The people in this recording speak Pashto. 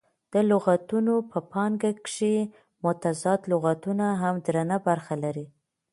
د لغتونه په پانګه کښي متضاد لغتونه هم درنه برخه لري.